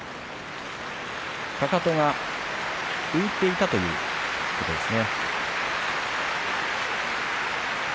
かかとが浮いていたということですね。